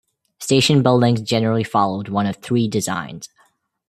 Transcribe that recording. Station buildings generally followed one of three designs.